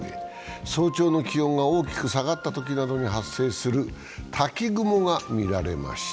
早朝の気温が大きく下がったときなどに発生する滝雲が見られました。